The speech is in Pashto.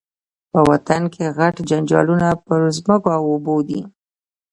په وطن کي غټ جنجالونه پر مځکو او اوبو دي